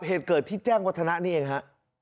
เหตุเกิดที่แจ้งวัฒนะนี่เองฮะ